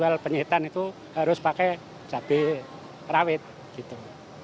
kalau harian itu ya saya mencapai dua puluh kilo atau tiga puluh kilo kalau musim ramai